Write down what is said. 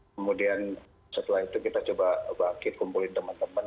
kemudian setelah itu kita coba bangkit kumpulin teman teman